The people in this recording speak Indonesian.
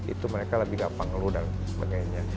itu mereka lebih gampang ngeluh dan sebagainya